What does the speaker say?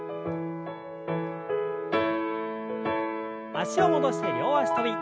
脚を戻して両脚跳び。